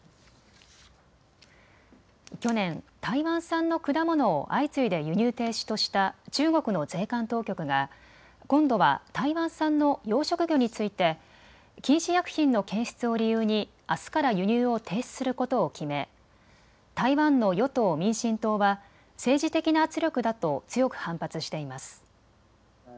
去年、台湾産の果物を相次いで輸入停止とした中国の税関当局が今度は台湾産の養殖魚について、禁止薬品の検出を理由にあすから輸入を停止することを決め台湾の与党・民進党は政治的な圧力だと強く反発しています。